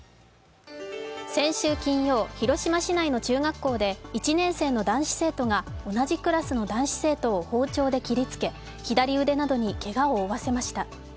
先週金曜、広島市内の中学校で１年生の男子生徒が同じクラスの男子生徒を包丁で切りつけ、左腕などにけがを負わせました。